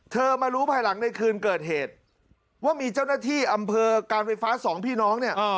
มารู้ภายหลังในคืนเกิดเหตุว่ามีเจ้าหน้าที่อำเภอการไฟฟ้าสองพี่น้องเนี่ย